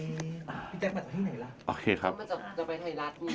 มาจากไทยรัฐ